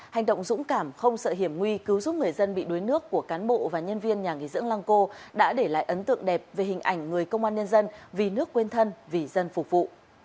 hành động dũng cảm không sợ hiểm nguy cứu giúp người dân bị đuối nước của cán bộ và nhân viên nhà nghỉ dưỡng lăng cô đã để lại ấn tượng đẹp về hình ảnh người công an nhân dân vì nước quên thân vì dân phục vụ